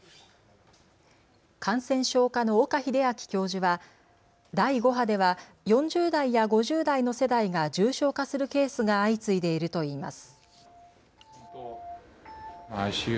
感染症科の岡秀昭教授は第５波では４０代や５０代の世代が重症化するケースが相次いでいるといいます。